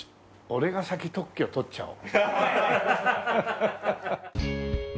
俺が先特許取っちゃお。